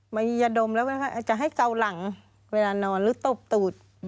ยาดมแล้วจะให้เกาหลังเวลานอนหรือตบตูด